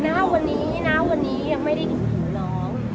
หน้าวันนี้หน้าวันนี้ยังไม่ได้ถึงถึงน้อง